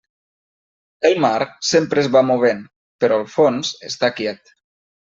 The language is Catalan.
El mar sempre es va movent, però el fons està quiet.